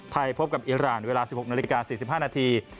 พบกับอิราณเวลา๑๖นาฬิกา๔๕นาที